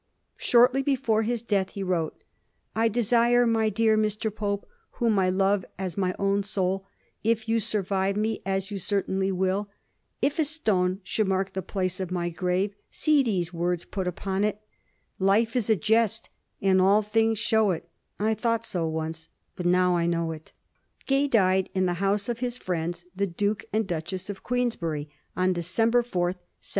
Shortly be fore his death he wrote :" I desire, my dear Mr. Pope, whom I love as my own soul, if you survive me, as you certainly will, if a stone should mark the place of my grave, see these words put upon it :Life is a jest and all things show it : I thought so once, but now I Icnow it. 1 n Gay died in the house of his friends, the Duke and Duchess of Queensberry, on December 4, 1732.